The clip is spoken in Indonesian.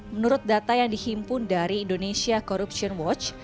menurut data yang dihimpun dari indonesia corruption watch